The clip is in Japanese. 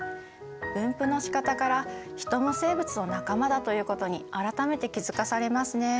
分布のしかたからヒトも生物の仲間だということに改めて気付かされますね。